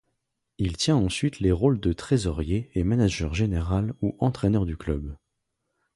Il tient ensuite les rôles de trésorier et manager général ou entraîneur du club.